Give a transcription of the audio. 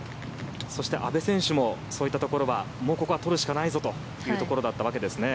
そして阿部選手もそういったところはもうここは取るしかないぞというところだったわけですね。